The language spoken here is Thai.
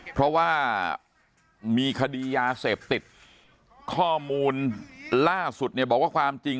เพราะว่ามีคดียาเสพติดข้อมูลล่าสุดเนี่ยบอกว่าความจริง